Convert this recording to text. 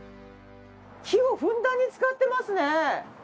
木をふんだんに使ってますね。